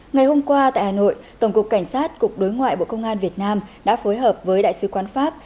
ngày hôm qua tại hà nội tổng cục cảnh sát cục đối ngoại bộ công an việt nam đã phối hợp với đại sứ quán pháp